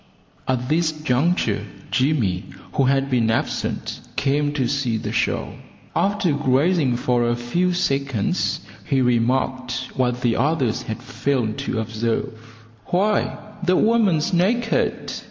At this juncture Jimmy, who had been absent, came to see the show. After gazing for a few seconds he remarked what the others had failed to observe, "Why, the woman's naked!"